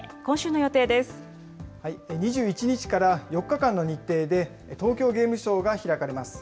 ２１日から４日間の日程で、東京ゲームショウが開かれます。